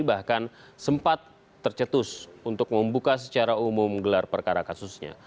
bahkan sempat tercetus untuk membuka secara umum gelar perkara kasusnya